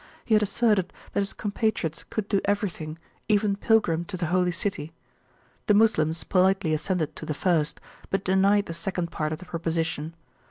267] he had asserted that his compatriots could do everything, even pilgrim to the Holy City. The Moslems politely assented to the first, but denied the second part of the proposition. Mr.